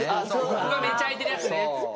ここがめっちゃ開いてるやつね。